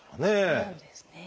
そうですね。